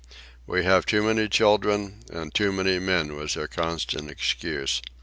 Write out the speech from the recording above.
We have too many children and too many men was their constant excuse.